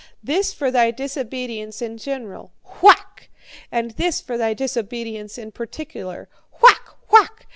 'This for thy disobedience in general whack! And this for thy disobedience in particular whack! whack!